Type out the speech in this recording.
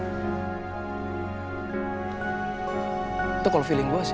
itu kalau feeling gue sih